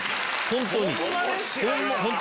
本当に！